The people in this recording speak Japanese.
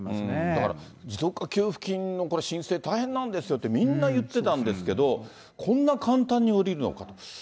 だから、持続化給付金の申請、これ、大変なんですよって、みんな言ってたんですけど、こんな簡単に下りるのかと。